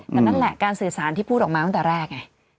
แต่นั่นแหละการสื่อสารที่พูดออกมาตั้งแต่แรกไง